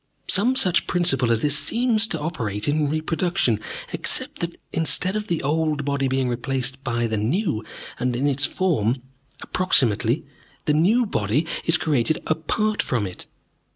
Some such principle as this seems to operate in reproduction, except that, instead of the old body being replaced by the new, and in its form, approximately, the new body is created apart from it.